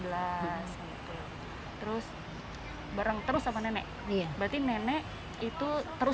mereka harus siap digusur